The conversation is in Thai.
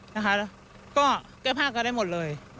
นะคะก็แก้ผ้ากันได้หมดเลย